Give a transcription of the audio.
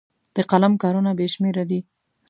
د قلم کارونه بې شمېره دي.